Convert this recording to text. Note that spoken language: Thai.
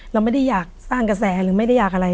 เราไม่ได้อยากสร้างกระแสหรือไม่ได้อยากอะไร